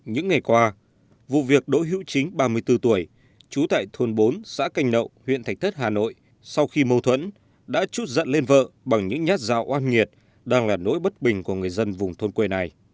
những ngày qua vụ việc đỗ hữu chính ba mươi bốn tuổi trú tại thôn bốn xã canh nậu huyện thạch thất hà nội sau khi mâu thuẫn đã chút giận lên vợ bằng những nhát dao oan nghiệt đang là nỗi bất bình của người dân vùng thôn quê này